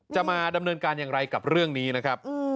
จะมาดำเนินการอย่างไรกับเรื่องนี้นะครับ